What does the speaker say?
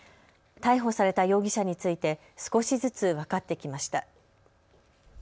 逮捕された容疑者について少しずつ分かってきました。